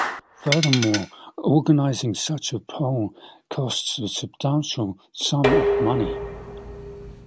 Furthermore, organizing such a poll costs a substantial sum of money.